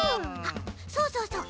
そうそうそう！